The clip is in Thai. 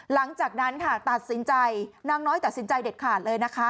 หลังจากนั้นค่ะตัดสินใจนางน้อยตัดสินใจเด็ดขาดเลยนะคะ